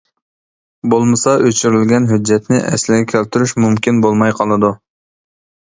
بولمىسا ئۆچۈرۈلگەن ھۆججەتنى ئەسلىگە كەلتۈرۈش مۇمكىن بولماي قالىدۇ.